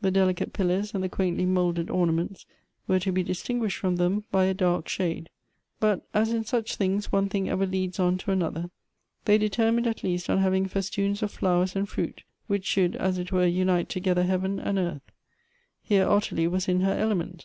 The delicate pil lars and the quaintly moulded ornaments were to be distinguished from them by a dark shade. But as in such things one thing ever leads on to another, they Elective Affinities. 169 determined at least on having festoons of flowers and fruit, which should as it were unite together heaven and earth. Here Ottilie was in her element.